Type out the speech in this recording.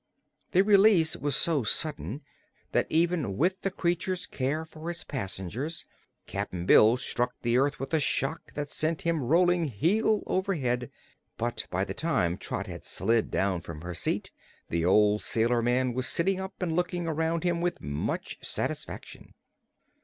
The release was so sudden that even with the creature's care for its passengers Cap'n Bill struck the earth with a shock that sent him rolling heel over head; but by the time Trot had slid down from her seat the old sailor man was sitting up and looking around him with much satisfaction.